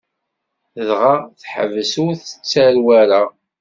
Dɣa, teḥbes ur d-tettarew ara.